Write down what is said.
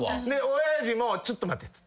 親父も「ちょっと待て」っつって。